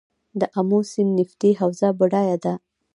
د امو سیند نفتي حوزه بډایه ده؟